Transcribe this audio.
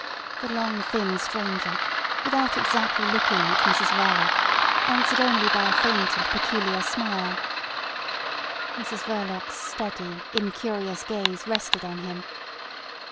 The long, thin stranger, without exactly looking at Mrs Verloc, answered only by a faint and peculiar smile. Mrs Verloc's steady, incurious gaze rested on him.